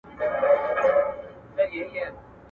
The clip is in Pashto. په هر ځای کي چي مي وغواړی حضور یم!